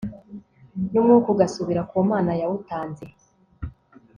n'umwuka ugasubira ku mana yawutanze